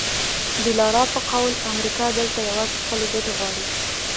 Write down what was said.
د لالا په قول امریکا دلته یوازې خپلې ګټې غواړي.